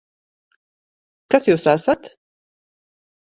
Kas jūs esat?